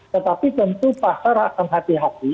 tetapi tentu pasar akan hati hati